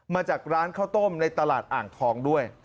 มาจากร้านข้าวต้มในตลาดอ่างทองด้วย